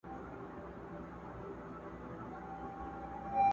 پر خپلو پښو د خپل قاتل غیږي ته نه ورځمه!!